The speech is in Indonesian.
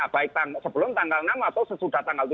baik sebelum tanggal enam atau sesudah tanggal tujuh